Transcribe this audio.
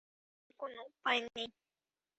তাহার কোনো উপায় নাই।